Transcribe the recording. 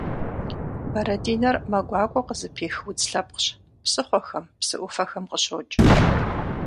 Бэрэтӏинэр мэ гуакӏуэ къызыпих удз лъэпкъщ, псыхъуэхэм, псы ӏуфэхэм къыщокӏ.